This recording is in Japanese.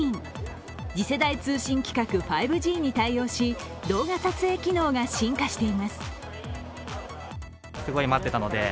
次世代通信規格５Ｇに対応し、動画撮影機能が進化しています。